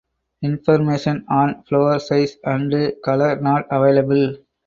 Information on flower size and color not available.